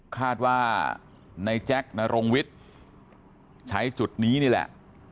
คาดว่าในแจ๊คนรงวิทย์ใช้จุดนี้นี่แหละ